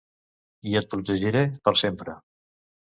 I et protegiré, per sempre.